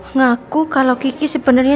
ngaku kalo kiki sebenernya